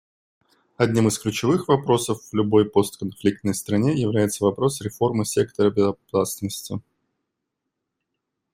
Одним из ключевых вопросов в любой постконфликтной стране является вопрос реформы сектора безопасности.